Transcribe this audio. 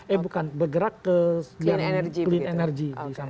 eh bukan bergerak ke dalam clean energy